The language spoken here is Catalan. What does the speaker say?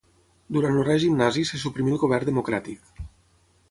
Durant el règim nazi se suprimí el govern democràtic.